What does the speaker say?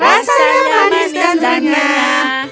rasanya manis dan renyah